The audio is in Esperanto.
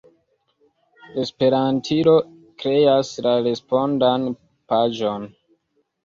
Esperantilo kreas la respondan paĝon.